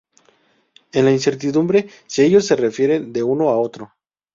En la incertidumbre si ellos se refieren de uno a otro.